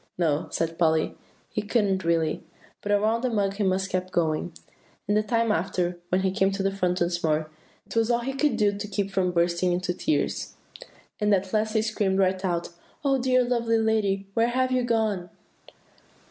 "No," said Polly, "he couldn't really, but around the mug he must keep going. And the time after, when he came to the front once more, it was all he could do to keep from bursting into tears. And at last he screamed right out, 'Oh, dear, lovely lady! where have you gone?